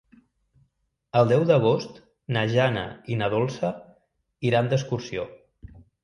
El deu d'agost na Jana i na Dolça iran d'excursió.